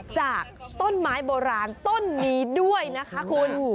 จากต้นไม้โบราณต้นนี้ด้วยนะคะคุณ